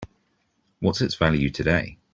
What's its value today?